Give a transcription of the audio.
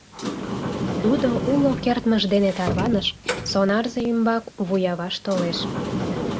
Тудо уло кертмыж дене тарваныш, сонарзе ӱмбак вуяваш толеш.